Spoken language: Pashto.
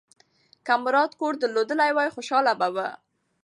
که مراد کور درلودلی وای، خوشاله به و.